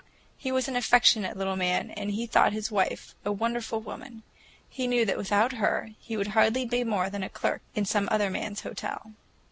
He was an affectionate little man, and he thought his wife a wonderful woman; he knew that without her he would hardly be more than a clerk in some other man's hotel.